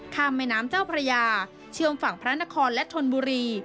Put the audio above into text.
แม่น้ำเจ้าพระยาเชื่อมฝั่งพระนครและธนบุรี